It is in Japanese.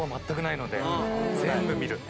全部見る。